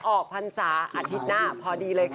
พรรษาอาทิตย์หน้าพอดีเลยค่ะ